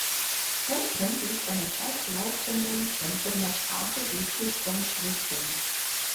Kempen liegt an der gleichlautenden Kempener Straße südlich von Schildgen.